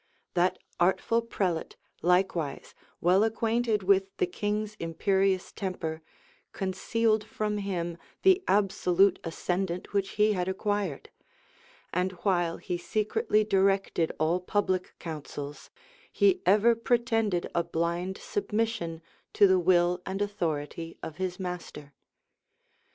That artful prelate, likewise, well acquainted with the king's imperious temper, concealed from him the absolute ascendant which he had acquired; and while he secretly directed all public councils, he ever pretended a blind submission to the will and authority of his master.